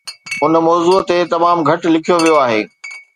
ان موضوع تي تمام گهٽ لکيو ويو آهي